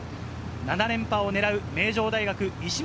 ７連覇狙う名城大学、石松